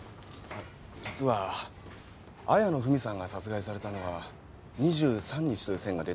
実は綾野文さんが殺害されたのは２３日という線が出てきまして。